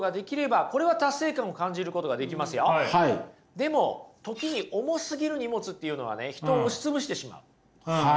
でも時に重すぎる荷物っていうのはね人を押し潰してしまう。